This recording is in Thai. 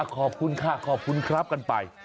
ขอบคุณค่ะขอบคุณครับกันไป